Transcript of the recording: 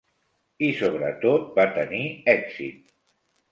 I sobretot va tenir èxit.